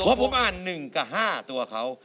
เพราะผมอ่าน๑กับ๕ตัวเขา